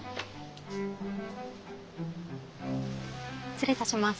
失礼いたします。